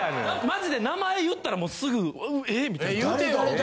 マジで名前言ったらもうすぐえ！？みたいな。